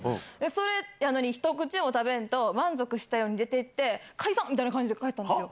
それやのに、一口も食べんと、満足したように出ていって、解散みたいな感じで帰ったんですよ。